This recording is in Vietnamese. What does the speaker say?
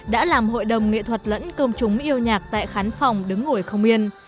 đã làm hội đồng nghệ thuật lẫn công chúng yêu nhạc tại khán phòng đứng ngồi không yên